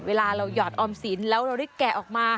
เวลาเราหยอดออมสินแล้วเราได้แกะออกมา